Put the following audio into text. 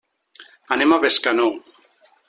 Anem a Bescanó.